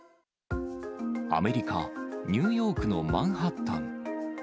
アメリカ・ニューヨークのマンハッタン。